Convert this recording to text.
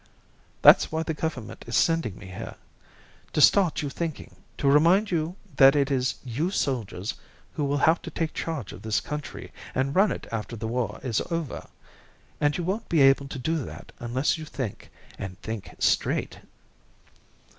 "That's why the government is sending me here, to start you to thinking, to remind you that it is you soldiers who will have to take charge of this country and run it after the war is over. And you won't be able to do that unless you think, and think straight."